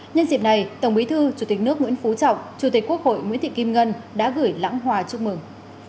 nhân dịp này tổng bí thư chủ tịch nước nguyễn phú trọng chủ tịch quốc hội nguyễn thị kim ngân đã gửi lãng hòa chúc mừng